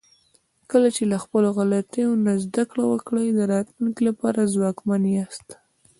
کله چې له خپلو غلطیو نه زده کړه وکړئ، د راتلونکي لپاره ځواکمن یاست.